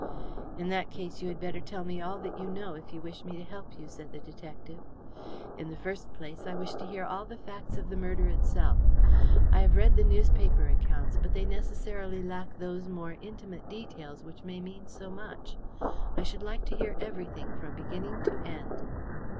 "In that case you had better tell me all that you know, if you wish me to help you," said the detective. "In the first place, I wish to hear all the facts of the murder itself. I have read the newspaper accounts, but they necessarily lack those more intimate details which may mean so much. I should like to hear everything from beginning to end."